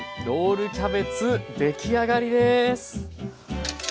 ロールキャベツ出来上がりです。